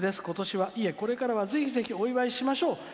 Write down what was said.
ことしはいえこれからはぜひお祝いしましょう。